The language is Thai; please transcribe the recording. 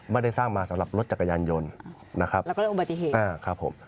ไม่ได้สร้างมาสำหรับรถจักรยานยนต์นะครับ